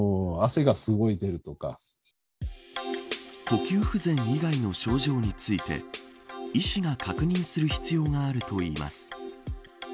呼吸不全以外の症状について医師が確認する必要があるといいます。